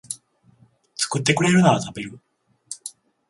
作ってくれるなら食べる